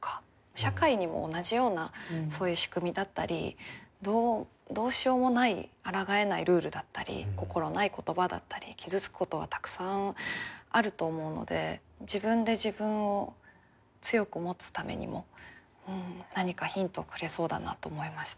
社会にも同じようなそういう仕組みだったりどうしようもないあらがえないルールだったり心ない言葉だったり傷つくことはたくさんあると思うので自分で自分を強く持つためにも何かヒントをくれそうだなと思いました。